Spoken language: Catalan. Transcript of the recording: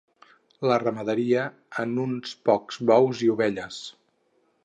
La ramaderia a uns pocs bous i ovelles.